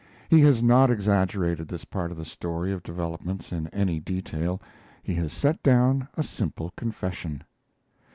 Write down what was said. He has not exaggerated this part of the story of developments in any detail; he has set down a simple confession.